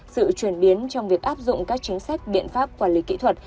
sự chuyển biến trong việc áp dụng các chính sách biện pháp quản lý kỹ thuật